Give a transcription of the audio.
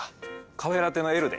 カフェラテのＬで。